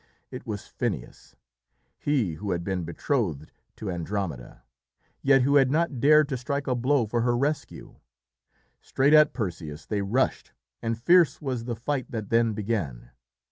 It was Phineus, he who had been betrothed to Andromeda, yet who had not dared to strike a blow for her rescue. Straight at Perseus they rushed, and fierce was the fight that then began.